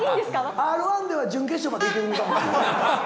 Ｒー１では準決勝までいけるネタです。